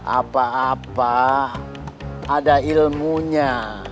apa apa ada ilmunya